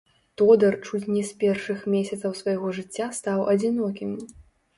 Тодар чуць не з першых месяцаў свайго жыцця стаў адзінокім.